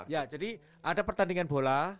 ya jadi ada pertandingan bola